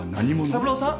紀三郎さん？